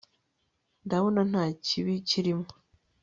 ndabona nta kibi kirimo